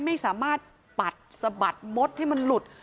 ไม่สามารถปัดสะบัดมดให้มันหลุด